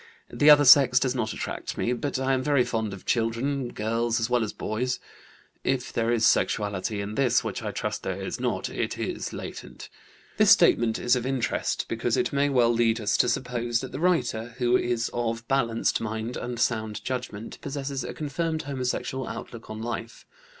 The other sex does not attract me, but I am very fond of children, girls as well as boys. (If there is sexuality in this, which I trust there is not, it is latent)." This statement is of interest because it may well lead us to suppose that the writer, who is of balanced mind and sound judgment, possesses a confirmed homosexual outlook on life.